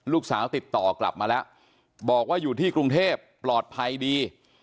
ลูกสาวติดต่อกลับมาแล้วบอกว่าอยู่ที่กรุงเทพปลอดภัยดี